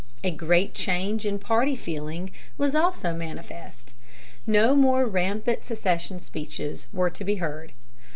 A great change in party feeling was also manifest. No more rampant secession speeches were to be heard.